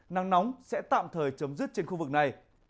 nắng nóng sẽ tạm thời chấm dứt trên khu vực này